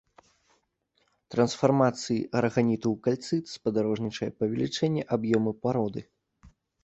Трансфармацыі араганіту ў кальцыт спадарожнічае павелічэнне аб'ёму пароды.